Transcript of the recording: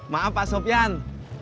maaf pak sofyan